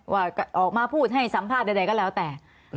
ว่าออกมาพูดให้สัมภาษณ์ใดก็แล้วแต่